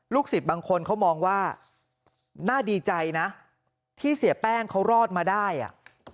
สิทธิ์บางคนเขามองว่าน่าดีใจนะที่เสียแป้งเขารอดมาได้อ่ะ